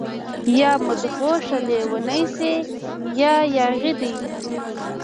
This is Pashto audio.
يا مدهوشه، لیونۍ شي يا ياغي دي